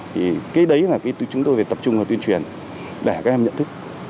thì cái đấy là chúng tôi phải tập trung vào tuyên truyền để các em nhận thức